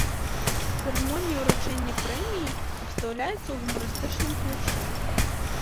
Цырымонія ўручэння прэміі абстаўляецца ў гумарыстычным ключы.